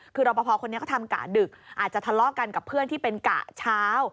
คือรอปภคนนี้ก็ทำกะดึกอาจจะทะเลาะกันกับเพื่อนที่เป็นกะเช้า